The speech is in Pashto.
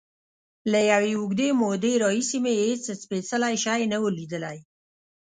له یوې اوږدې مودې راهیسې مې هېڅ سپېڅلی شی نه و لیدلی.